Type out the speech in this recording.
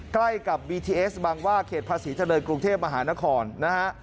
ใกล้กับบีทีเอสบางว่าเขตภาษีเจริญกรุงเทพมหานครนะฮะ